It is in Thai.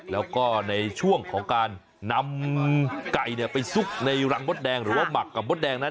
แล้วก็ในช่วงของการนำไก่ไปซุกในรังมดแดงหรือว่าหมักกับมดแดงนั้น